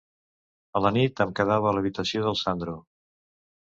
A la nit, em quedava a l’habitació del Sandro.